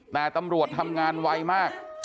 แต่ตำรวจทำงานไวมาก